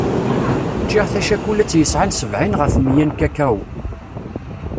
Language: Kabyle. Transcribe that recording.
Ččiɣ tacakulat yesɛan sebɛin ɣef meyya n kakao.